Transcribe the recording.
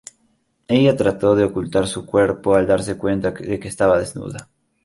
Ella trata de ocultar su cuerpo al darse cuenta de que está desnuda.